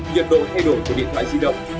ba điện độ thay đổi của điện thoại di động